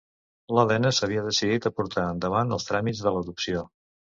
L’Elena s’havia decidit a portar endavant els tràmits de l’adopció.